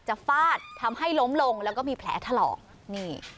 จะฟาดทำยล้มลงแล้วก็มีแผลทะเลาห์